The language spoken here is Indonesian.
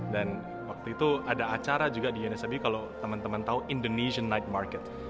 dan waktu itu ada acara juga di unsw kalau teman teman tahu indonesian night market